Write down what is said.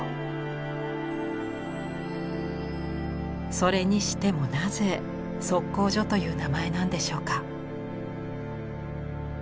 それにしてもなぜ「測候所」という名前なんでしょうか。